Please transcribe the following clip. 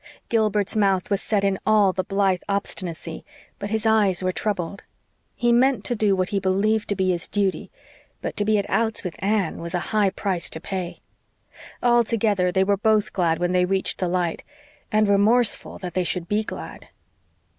Gilbert's mouth was set in all the Blythe obstinacy, but his eyes were troubled. He meant to do what he believed to be his duty; but to be at outs with Anne was a high price to pay. Altogether, both were glad when they reached the light and remorseful that they should be glad.